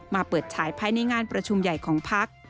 เปิดฉายภายในงานประชุมใหญ่ของพัก